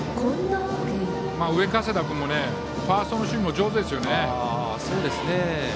上加世田君ファーストの守備も上手ですよね。